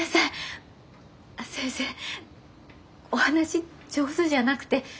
先生お話上手じゃなくて。